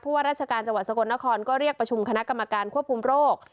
ว่าราชการจังหวัดสกลนครก็เรียกประชุมคณะกรรมการควบคุมโรค